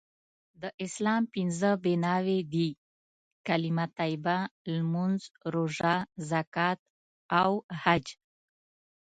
د اسلام پنځه بنأوي دي.کلمه طیبه.لمونځ.روژه.زکات.او حج